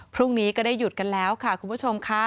พรุ่งนี้ก็ได้หยุดกันแล้วค่ะคุณผู้ชมค่ะ